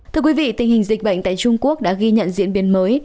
thưa quý vị tình hình dịch bệnh tại trung quốc đã ghi nhận diễn biến mới